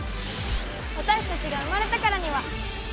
私たちが生まれたからには。